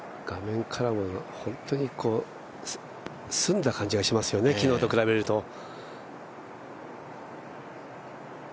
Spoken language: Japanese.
画面から本当に澄んだ感じがしますよね、昨日と比べると。